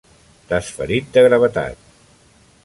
T'has ferit de gravetat.